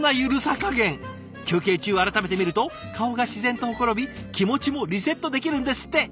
休憩中改めて見ると顔が自然とほころび気持ちもリセットできるんですって。